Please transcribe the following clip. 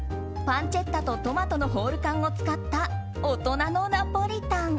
パンチェッタとトマトのホール缶を使った大人のナポリタン。